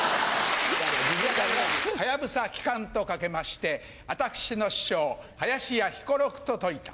はやぶさ帰還と掛けまして私の師匠林家彦六と解いた。